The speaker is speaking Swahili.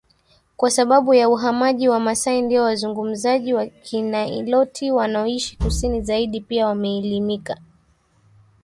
Kwa sababu ya uhamaji Wamasai ndio wazungumzaji wa Kiniloti wanaoishi kusini zaidi Pia wameelimika